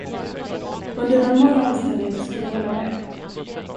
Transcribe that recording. Under normala omständigheter skulle jag hålla med.